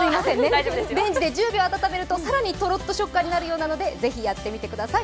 レンジで１０秒温めるとさらにとろっと食感になるそうなので是非やってみてください。